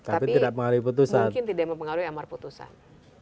tapi mungkin tidak mempengaruhi amar putusan